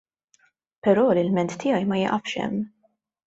Però l-ilment tiegħi ma jiqafx hemm.